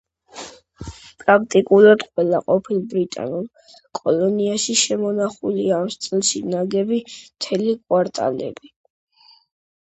პრაქტიკულად ყველა ყოფილ ბრიტანულ კოლონიაში შემონახულია ამ სტილში ნაგები მთელი კვარტალები.